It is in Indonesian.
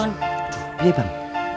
duh biar bang